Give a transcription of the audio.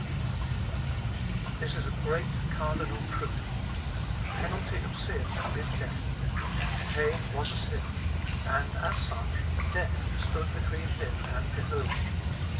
ix.) This is a great cardinal truth. The penalty of sin is death. Cain was a sinner, and, as such, death stood between him and Jehovah.